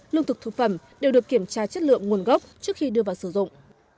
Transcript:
sản phẩm đều được kiểm tra chất lượng nguồn gốc trước khi đưa vào sử dụng